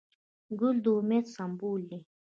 ګل د امید سمبول دی.